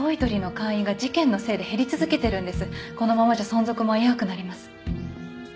このままじゃ存続も危うくなります。